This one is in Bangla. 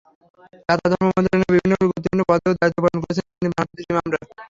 কাতার ধর্ম মন্ত্রণালয়ের বিভিন্ন গুরুত্বপূর্ণ পদেও দায়িত্ব পালন করছেন বাংলাদেশি ইমামরা।